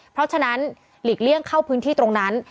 เพราะฉะนั้นหลีกเลี่ยงเข้าพื้นที่ตรงนั้น